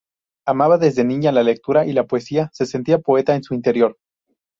Amaba desde niña la lectura y la poesía, se sentía poeta en su interior.